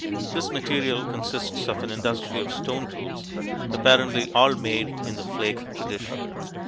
This material consists of an industry of stone tools, apparently all made in the flake tradition.